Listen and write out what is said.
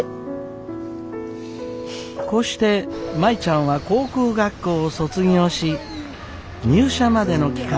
こうして舞ちゃんは航空学校を卒業し入社までの期間